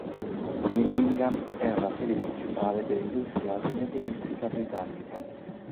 Birmingham era la sede principale dell'industria automobilistica britannica.